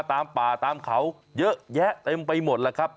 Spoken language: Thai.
ตามป่าตามเขาเยอะแยะเต็มไปหมดแล้วครับ